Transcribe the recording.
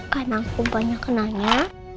karena aku banyak nanya